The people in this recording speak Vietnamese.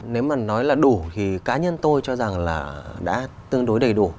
nếu mà nói là đủ thì cá nhân tôi cho rằng là đã tương đối đầy đủ